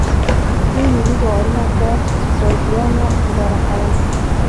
دوی ملي باورونه په تازیانو اداره کول.